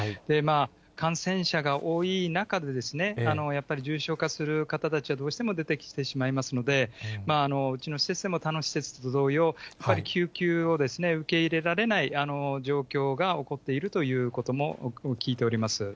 感染者が多い中で、やっぱり重症化する方たちがどうしても出てきてしまいますので、うちの施設でも他の施設でも同様、やっぱり救急を受け入れられない状況が起こっているということも聞いております。